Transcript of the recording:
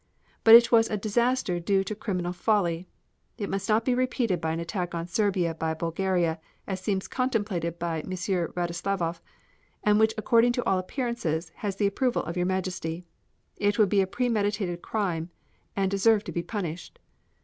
But it was a disaster due to criminal folly. It must not be repeated by an attack on Serbia by Bulgaria, as seems contemplated by M. Radoslavoff, and which according to all appearances, has the approval of your Majesty. It would be a premeditated crime, and deserve to be punished."